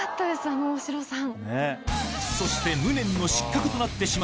あの大城さん。